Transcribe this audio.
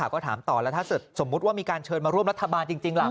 ก็ถามต่อแล้วถ้าเกิดสมมุติว่ามีการเชิญมาร่วมรัฐบาลจริงล่ะ